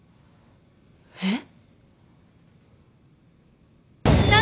えっ？